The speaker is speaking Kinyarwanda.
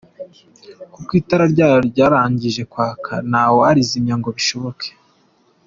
kuko itara ryayo ryarangije kwaka ntawarizimya ngo bishoboke!